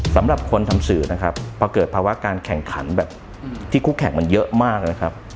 สำหรับคนทำสื่อนะครับพอเกิดภาวะการแข่งขันแบบที่คู่แข่งมันเยอะมากนะครับ